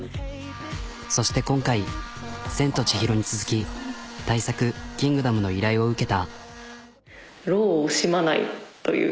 そして今回「千と千尋」に続き大作「キングダム」の依頼を受けた。